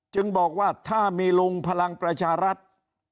จึงบอกว่าถ้ามีลุงพลังประชารัฐ